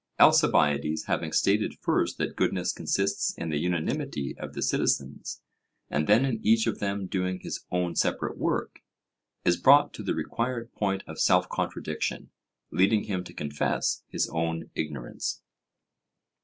Alcibiades, having stated first that goodness consists in the unanimity of the citizens, and then in each of them doing his own separate work, is brought to the required point of self contradiction, leading him to confess his own ignorance.